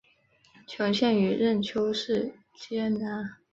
雄县与任丘市接壤。